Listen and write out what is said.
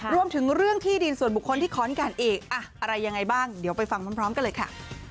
รวมถึงเรื่องที่ดินส่วนบุคคลที่ขอนแก่นอีกอะไรยังไงบ้างเดี๋ยวไปฟังพร้อมกันเลยค่ะ